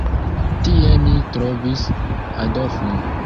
Tie mi trovis Adolfon.